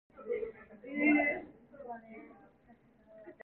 팀장님은 게십니까?